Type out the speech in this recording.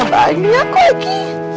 aduh mana banyak lagi